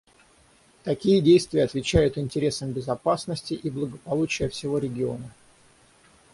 Такие действия отвечают интересам безопасности и благополучия всего региона.